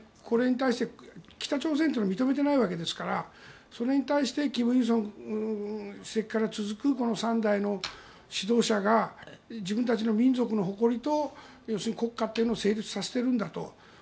これに対して北朝鮮というのは認めていないわけですからそれに対して金日成政権から続く３代の指導者が自分たちの民族の誇りと国家を成立させているんだと。